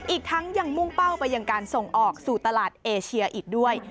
อีกทั้งยังมุ่งเป้าไปยังการส่งออกสู่ตลาดเอเชียอีกด้วย